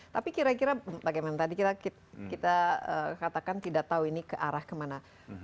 tapi kira kira bagaimana tadi kita katakan tidak tahu ini ke arah kemana